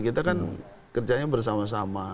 kita kan kerjanya bersama sama